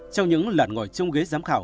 trong những lần ngồi chung ghế giám khảo